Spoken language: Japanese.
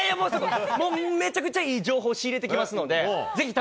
もうめちゃくちゃいい情報を仕入れてくるので。